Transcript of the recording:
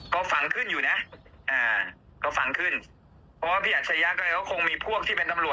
หลังจากนายอัจฉริยะออกที่เกาะ